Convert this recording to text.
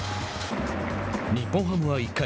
日本ハムは１回。